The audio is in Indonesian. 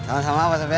sama sama pak sofian